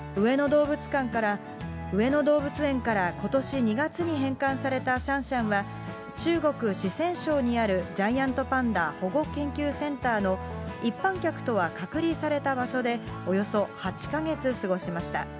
上野動物園からことし２月に返還されたシャンシャンは、中国・四川省にあるジャイアントパンダ保護研究センターの一般客とは隔離された場所でおよそ８か月過ごしました。